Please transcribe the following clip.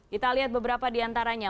kita lihat beberapa diantaranya